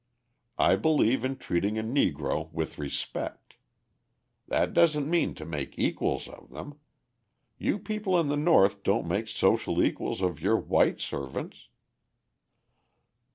I believe in treating a Negro with respect. That doesn't mean to make equals of them. You people in the North don't make social equals of your white servants."